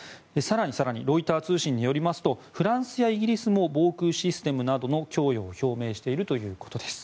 更にロイター通信によりますとフランスやイギリスも防空システムなどの供与を表明しているということです。